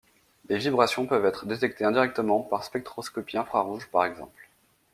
Les vibrations peuvent être détectées indirectement par spectroscopie infrarouge, par exemple.